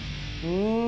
うん。